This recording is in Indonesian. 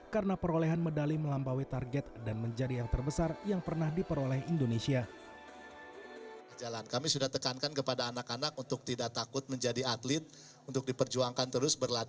karena perolehan medali melampaui target dan menjadi yang terbesar yang pernah dibuat